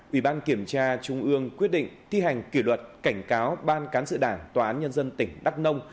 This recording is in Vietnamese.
ủy ban kiểm tra trung ương quyết định thi hành kỷ luật cảnh cáo ban cán sự đảng tòa án nhân dân tỉnh đắk nông